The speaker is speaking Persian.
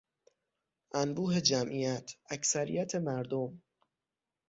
انبوه جمعیت، اکثریت مردم